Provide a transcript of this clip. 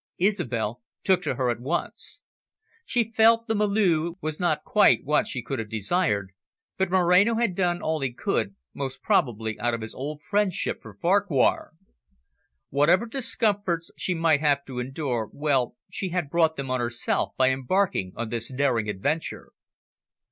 Isobel took to her at once. She felt the milieu was not quite what she could have desired, but Moreno had done all he could, most probably out of his old friendship for Farquhar. Whatever discomforts she might have to endure, well she had brought them on herself by embarking on this daring adventure.